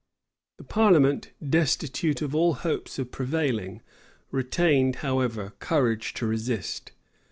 The parliament, destitute of all hopes of prevailing, retained, however, courage to resist.